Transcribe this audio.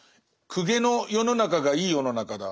公家の世の中がいい世の中だ